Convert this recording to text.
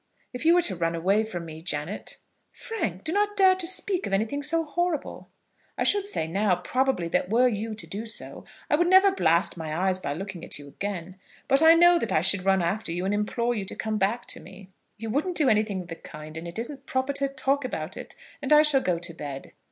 If you were to run away from me, Janet " "Frank, do not dare to speak of anything so horrible." "I should say now probably that were you to do so, I would never blast my eyes by looking at you again; but I know that I should run after you, and implore you to come back to me." "You wouldn't do anything of the kind; and it isn't proper to talk about it; and I shall go to bed."